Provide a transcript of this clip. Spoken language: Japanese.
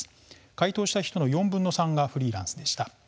回答した人の４分の３がフリーランスでした。